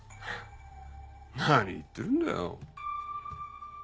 何言ってるんだよ。